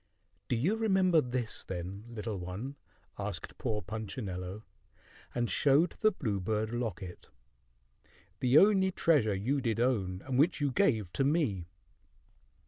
"Do you remember this, then, little one?" asked poor Punchinello, and showed the bluebird locket, "the only treasure you did own, and which you gave to me?"